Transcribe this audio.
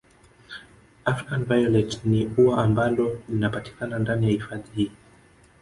African violet ni ua ambalo linapatikana ndani ya hifadhi hii